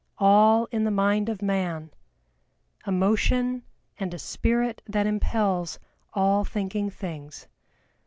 . all in the mind of man; A motion and a spirit that impels All thinking things."